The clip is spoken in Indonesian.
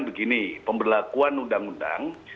begini pemberlakuan undang undang